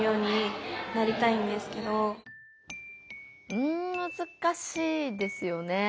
うんむずかしいですよね。